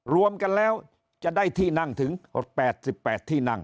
รวมกันแล้วจะได้ที่นั่งถึง๘๘ที่นั่ง